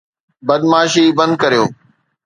بدمعاشي بند ڪريو